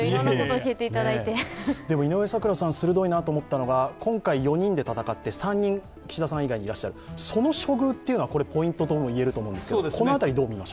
井上咲楽さん、鋭いなと思ったのは３人岸田さん以外にいらっしゃる、その処遇というのはポイントともいえると思いますが？